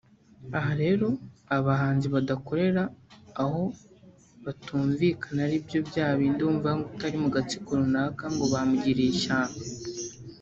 Aha rero abahanzi badakorera aho batumvikana aribyo byabindi wumva ngo utari mu gatsiko runaka ngo bamugiriye ishyamba